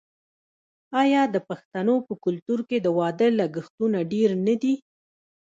آیا د پښتنو په کلتور کې د واده لګښتونه ډیر نه وي؟